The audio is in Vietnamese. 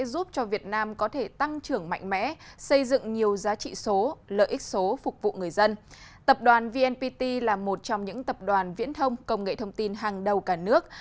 vnpt là một trong những tập đoàn viễn thông công nghệ thông tin hàng đầu cả nước